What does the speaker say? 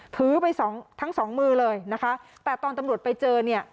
ถือไปสองทั้งสองมือเลยนะคะแต่ตอนตำรวจไปเจอเนี่ย